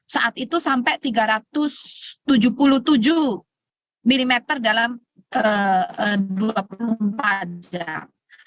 saat itu sampai tiga ratus tujuh puluh tujuh mm dalam dua puluh empat jam